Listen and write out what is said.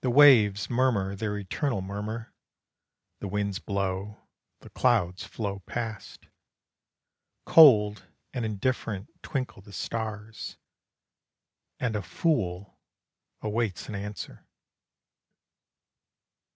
The waves murmur their eternal murmur, The winds blow, the clouds flow past. Cold and indifferent twinkle the stars, And a fool awaits an answer.